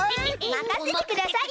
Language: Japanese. まかせてくださいよ。